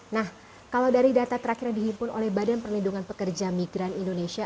nah kalau dari data terakhir yang dihimpun oleh badan perlindungan pekerja migran indonesia